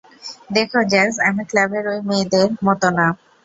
দেখ, জ্যাজ, আমি ক্লাবের ওই মেয়েদের মতো না।